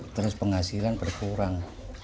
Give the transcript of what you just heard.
terus penghasilan berkurang